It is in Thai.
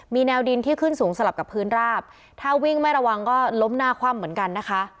มีแนวดินที่ขึ้นสูงสลับกับพื้นราบถ้าวิ่งไม่ระวังก็ล้มหน้าคว่ำเหมือนกันนะคะ